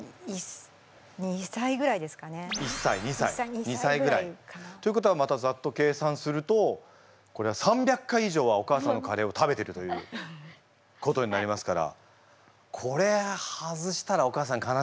１歳２歳ぐらいかな。ということはまたざっと計算するとこれは３００回以上はお母さんのカレーを食べてるということになりますからこれ外したらお母さん悲しいよね。